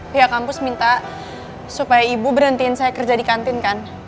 pihak kampus minta supaya ibu berhentiin saya kerja di kantin kan